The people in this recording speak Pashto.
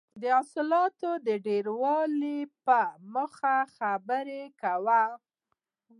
د حاصلاتو د ډېروالي په موخه خبره کوله.